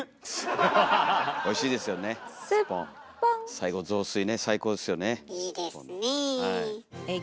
最後雑炊ね最高ですよねすっぽんの。